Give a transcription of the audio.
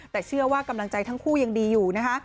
แต่เชื่อว่ากำลังใจทั้งคู่ยังดีอยู่นะคะ